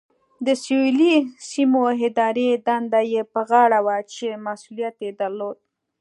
د سویلي سیمو اداري دنده یې په غاړه وه چې مسؤلیت یې درلود.